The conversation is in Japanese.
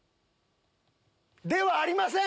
ではありません！